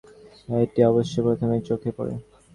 এইটি অবশ্য প্রথমেই চোখে পড়ে।